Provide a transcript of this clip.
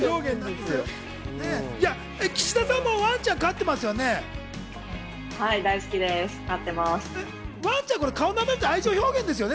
岸田さんもワンちゃんを飼ってるんですよね？